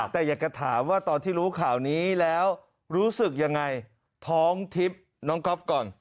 แต่อยากจะถามว่าตอนที่รู้ข่าวนี้แล้วรู้สึกยังไงท้องทิพย์น้องก๊อฟก่อน